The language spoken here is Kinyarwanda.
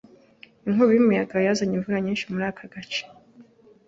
Inkubi y'umuyaga yazanye imvura nyinshi muri ako gace.